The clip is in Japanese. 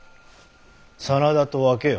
真田と分けよ。